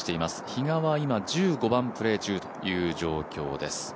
比嘉は今１５番プレー中という状況です。